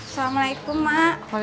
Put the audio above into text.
saran dikit tat